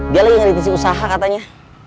dia lagi ngeritisi usaha katanya